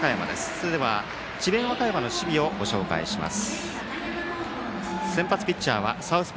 それでは智弁和歌山の守備をご紹介します。